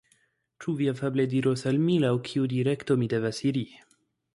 Ĉu vi afable diros al mi laŭ kiu direkto mi devas iri?